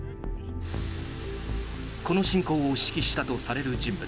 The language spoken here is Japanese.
この侵攻を指揮したとされる人物